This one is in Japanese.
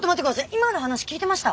今の話聞いてました？